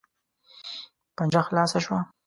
پنجره خلاصه شوه.